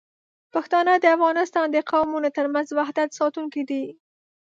پښتانه د افغانستان د قومونو ترمنځ وحدت ساتونکي دي.